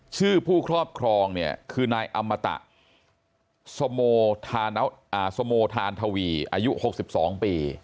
ผู้ครอบครองเนี่ยคือนายอมตะสโมสโมทานทวีอายุ๖๒ปี